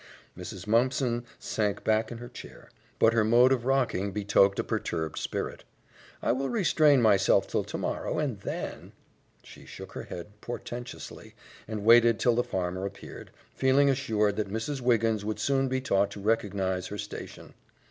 Mrs. Mumpson sank back in her chair, but her mode of rocking betokened a perturbed spirit. "I will restrain myself till tomorrow, and then " She shook her head portentously and waited till the farmer appeared, feeling assured that Mrs. Wiggins would soon be taught to recognize her station.